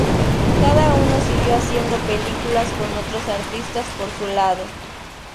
Cada uno siguió haciendo películas con otros artistas por su lado.